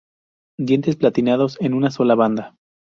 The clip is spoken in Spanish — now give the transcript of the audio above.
Dientes palatinos en una sola banda.